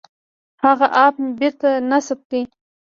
هغه اپ مې بېرته نصب کړ.